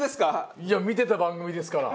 見てた番組ですから。